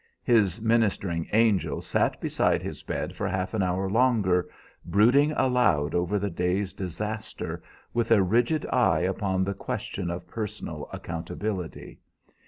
His ministering angel sat beside his bed for half an hour longer, brooding aloud over the day's disaster, with a rigid eye upon the question of personal accountability.